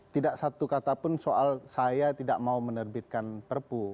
tidak satu kata pun soal saya tidak mau menerbitkan perpu